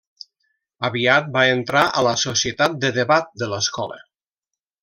Aviat va entrar a la Societat de Debat de l'escola.